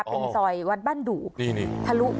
เป็นซอยวัดบ้านดู